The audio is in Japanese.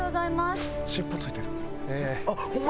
あゆ尻尾ついてる。